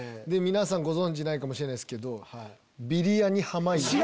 皆さんご存じないかもしれないけどビリヤニ濱家。